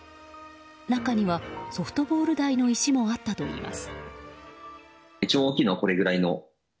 中にはソフトボール大の石もあったといいます。